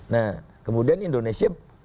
nah kemudian indonesia